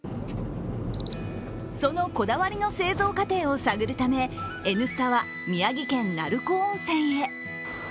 そのこだわりの製造過程を探るため、「Ｎスタ」は宮城県・鳴子温泉へ。